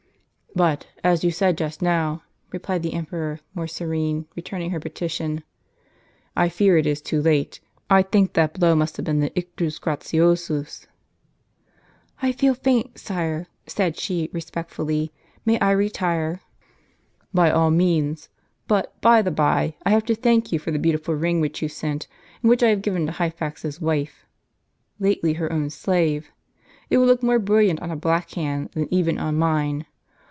"But, as you said just now," replied the emperor, more serene, returning her petition, "I fear it is too late; I think that blow must have been the ictus gratiosusJ^ * "I feel faint, sire," said she, respectfully; "may I retire?" "By all means. But, by the bye, I have to thank j^ou for the beautiful ring which you sent, and which I have given to Hyphax's wife" (lately her own slave!). "It will look more brilliant on a black hand than even on mine.